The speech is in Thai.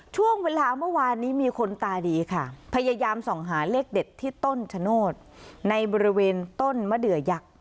ช่วงเวลาเมื่อวานนี้มีคนตาดีค่ะพยายามส่องหาเลขเด็ดที่ต้นชะโนธในบริเวณต้นมะเดือยักษ์